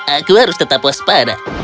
aku harus tetap puas pada